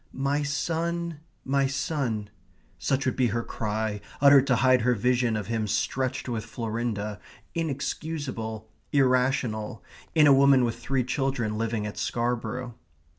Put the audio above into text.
My son, my son such would be her cry, uttered to hide her vision of him stretched with Florinda, inexcusable, irrational, in a woman with three children living at Scarborough.